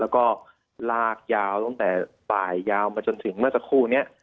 แล้วก็ลากยาวตั้งแต่บ่ายยาวมาจนถึงเมื่อสักครู่นี้